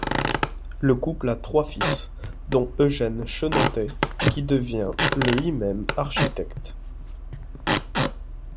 Le couple a trois fils, dont Eugène Chenantais, qui devient lui-même architecte.